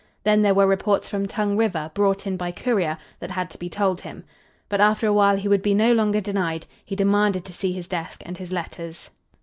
Then there were reports from Tongue River, brought in by courier, that had to be told him. But after a while he would be no longer denied. He demanded to see his desk and his letters.